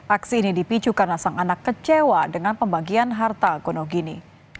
aksi ini dipicu karena sang anak kecewa dengan pembagian harta gonogini